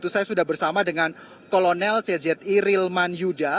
saya sudah bersama dengan kolonel czi rilman yuda